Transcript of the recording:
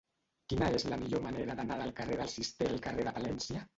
Quina és la millor manera d'anar del carrer del Cister al carrer de Palència?